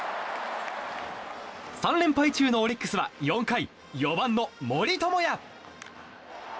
３連敗中のオリックスは４回、４番の森友哉。